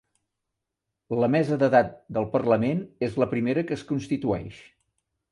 La mesa d'edat del parlament és la primera que es constitueix